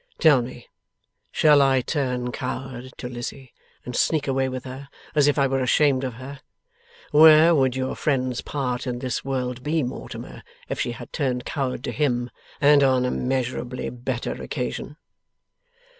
Tell me! Shall I turn coward to Lizzie, and sneak away with her, as if I were ashamed of her! Where would your friend's part in this world be, Mortimer, if she had turned coward to him, and on immeasurably better occasion?